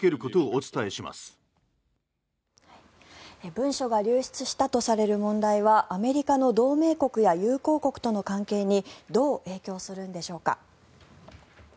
文書が流出したとされる問題はアメリカの同盟国や友好国との関係にどう影響するんでしょうか。